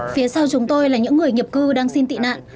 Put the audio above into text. phía sau chúng tôi là những người nhập cư đang xin tị nạn